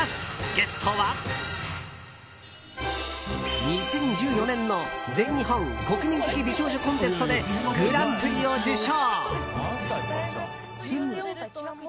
ゲストは２０１４年の全日本国民的美少女コンテストでグランプリを受賞！